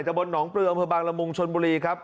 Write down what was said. จับบนหนองเปลืองพฤบังละมุงชนบุรีครับ